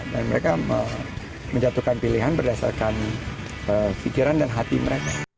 dan mereka menjatuhkan pilihan berdasarkan pikiran dan hati mereka